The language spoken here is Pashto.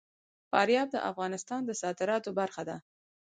فاریاب د افغانستان د صادراتو برخه ده.